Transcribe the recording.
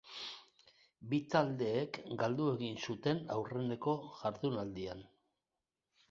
Bi taldeek galdu egin zuten aurreneko jardunaldian.